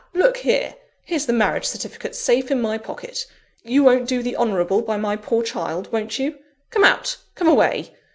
look here! here's the marriage certificate safe in my pocket. You won't do the honourable by my poor child won't you? Come out! Come away!